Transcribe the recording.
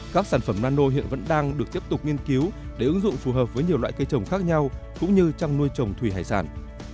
các sản phẩm nano hiện vẫn đang được tiếp tục nghiên cứu để ứng dụng phù hợp với nhiều loại cây trồng khác nhau cũng như trong nuôi trồng thủy hải sản